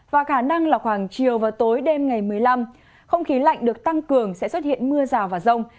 và khả năng là khoảng chiều và tối đêm ngày một mươi năm không khí lạnh được tăng cường sẽ xuất hiện mưa rào và rông